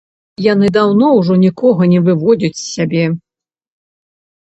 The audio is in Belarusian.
Яны даўно ўжо нікога не выводзяць з сябе.